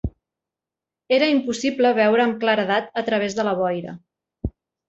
Era impossible veure amb claredat a través de la boira.